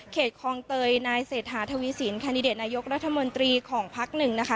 คลองเตยนายเศรษฐาทวีสินแคนดิเดตนายกรัฐมนตรีของพักหนึ่งนะคะ